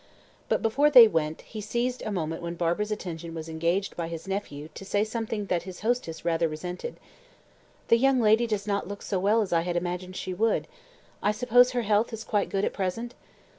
But before they went, he seized a moment when Barbara's attention was engaged by his nephew to say something that his hostess rather resented. "The young lady does not look so well as I had imagined she would. I suppose her health is quite good at present?"